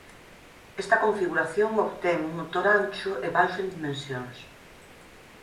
Esta configuración obtén un motor ancho e baixo en dimensións.